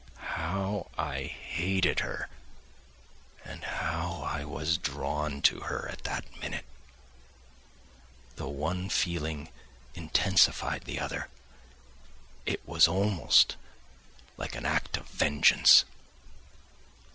How I hated her and how I was drawn to her at that minute! The one feeling intensified the other. It was almost like an act of vengeance.